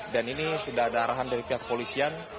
dan ini sudah ada arahan dari pihak kepolisian